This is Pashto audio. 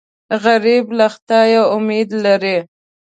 غریب له خدایه امید لري